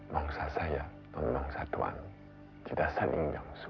bangsa saya dan bangsa tuhan tidak saling mengusul